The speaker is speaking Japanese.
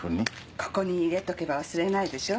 ここに入れとけば忘れないでしょう？